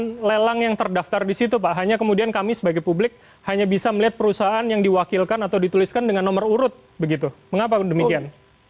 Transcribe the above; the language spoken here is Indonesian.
kemudian lelang yang terdaftar di situ pak hanya kemudian kami sebagai publik hanya bisa melihat perusahaan yang diwakilkan atau dituliskan dengan nomor urut begitu mengapa demikian